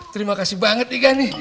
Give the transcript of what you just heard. terima kasih banget nih kan nih